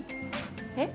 えっ？